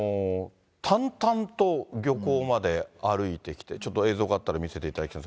たんたんと漁港まで歩いてきて、ちょっと映像があったら見せていただきたい。